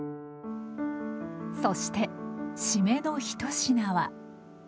そして締めの一品は。